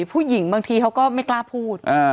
ผู้หญิงบางทีเขาก็ไม่กล้าพูด